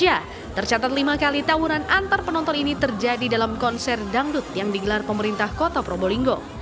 ya tercatat lima kali tawuran antar penonton ini terjadi dalam konser dangdut yang digelar pemerintah kota probolinggo